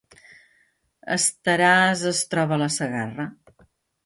Estaràs es troba a la Segarra